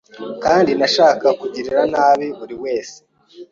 kandi nashakaga kugirira nabi buri wese,